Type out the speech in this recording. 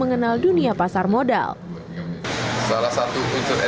investor pun bisa memakai permainan ini untuk game